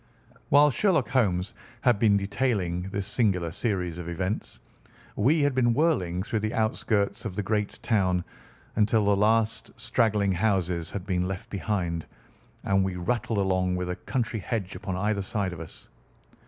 While Sherlock Holmes had been detailing this singular series of events, we had been whirling through the outskirts of the great town until the last straggling houses had been left behind, and we rattled along with a country hedge upon either side of us.